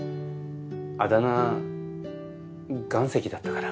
あだ名岩石だったから。